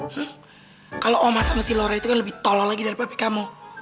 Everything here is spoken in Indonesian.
hmm kalo oma sama si lore itu kan lebih tolol lagi dari papi kamu